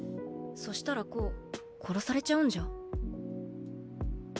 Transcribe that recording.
そしたらコウ殺されちゃうんじゃ。